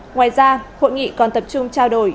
ngoài ra hội nghị còn tập trung trao đổi